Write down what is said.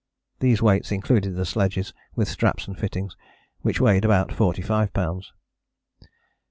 These weights included the sledges, with straps and fittings, which weighed about 45 lbs.